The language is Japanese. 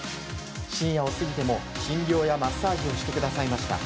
深夜を過ぎても診療やマッサージをしてくださいました。